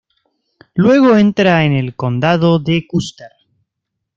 Luego entra en el Condado de Custer.